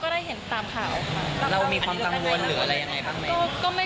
ก็ได้เห็นตามข่าวค่ะ